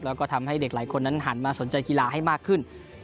แล้วก็ทำให้เด็กหลายคนนั้นหันมาสนใจกีฬาให้มากขึ้น